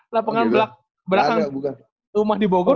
lapangan belakang rumah di bogor